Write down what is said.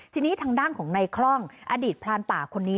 ทีนี้ทางด้านของนายคล่องอดีตพรานป่าคนนี้